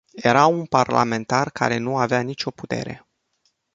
Era un parlament care nu avea nicio putere.